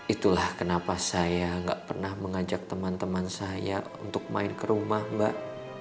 itulah kenapa saya nggak pernah mengajak teman teman saya untuk main ke rumah mbak